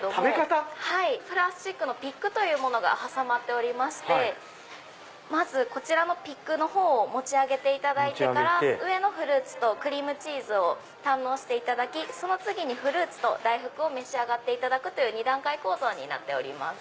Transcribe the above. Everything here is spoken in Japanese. プラスチックのピックが挟まっておりましてまずこちらのピックのほうを持ち上げていただいてから上のフルーツとクリームチーズを堪能していただきその次にフルーツと大福を召し上がっていただくという２段階構造になっております。